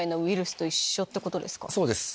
そうです